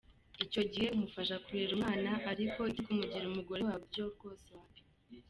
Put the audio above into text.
Icyo gihe umufasha kurera umwana , ariko ibyo kumugira umugore wawe byo rwose wapi.